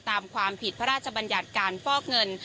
ตามความผิดพระราชบัญญัติการฟอกเงิน